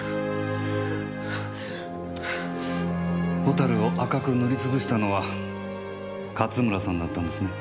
ホタルを赤く塗りつぶしたのは勝村さんだったんですね。